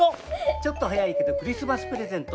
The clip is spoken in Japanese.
ちょっと早いけどクリスマスプレゼント！